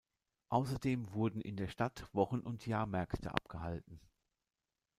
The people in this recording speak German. Außerdem wurden in der Stadt Wochen- und Jahrmärkte abgehalten.